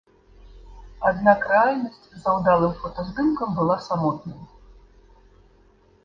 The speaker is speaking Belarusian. Аднак рэальнасць за ўдалым фотаздымкам была самотнай.